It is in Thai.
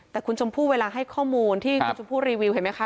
แต่คุณชมพู่เวลาให้ข้อมูลที่คุณชมพู่รีวิวเห็นไหมคะ